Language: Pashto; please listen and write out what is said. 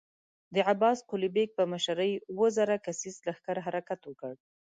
د عباس قلي بېګ په مشری اووه زره کسيز لښکر حرکت وکړ.